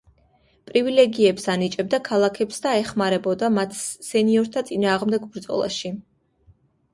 პრივილეგიებს ანიჭებდა ქალაქებს და ეხმარებოდა მათ სენიორთა წინააღმდეგ ბრძოლაში.